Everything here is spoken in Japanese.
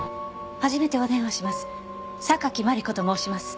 初めてお電話します。